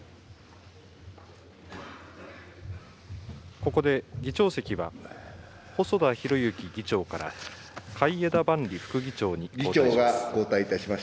ここで議長席は、細田博之議長から海江田万里副議長に交代します。